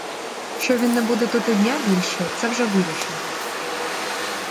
Що він не буде тут і дня більше, — це вже вирішено.